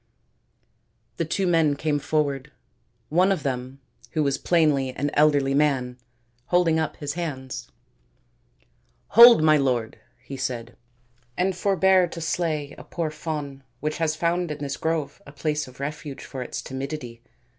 The two men came forward, one of them, who was plainly an elderly man, holding up his hands, " Hold, 223 224 THE INDIAN STORY BOOK my lord, " he said, " and forbear to slay a poor fawn which has found in this grove a place of refuge for its timidity.